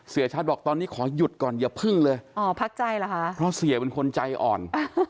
เสียชัดบอกตอนนี้ขอหยุดก่อนอย่าพึ่งเลยอ๋อพักใจเหรอคะเพราะเสียเป็นคนใจอ่อน